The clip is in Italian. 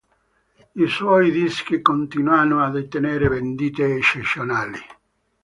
I suoi dischi continuano ad ottenere vendite eccezionali.